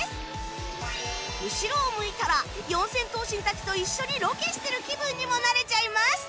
後ろを向いたら四千頭身たちと一緒にロケしてる気分にもなれちゃいます